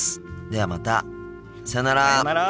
ではまたさよなら。